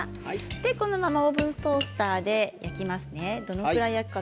このままオーブントースターでいきますね。